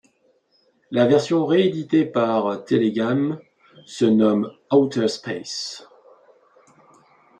La version rééditée par Telegames se nomme Outer Space.